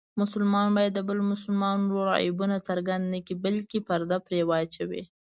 مسلمان باید د بل مسلمان ورور عیبونه څرګند نه بلکې پرده پرې واچوي.